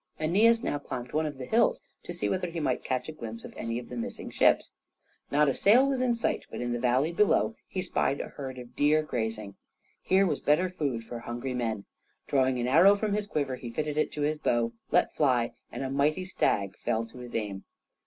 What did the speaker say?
Æneas now climbed one of the hills to see whether he might catch a glimpse of any of the missing ships. Not a sail was in sight, but in the valley below he spied a herd of deer grazing. Here was better food for hungry men. Drawing an arrow from his quiver, he fitted it to his bow, let fly, and a mighty stag fell to his aim.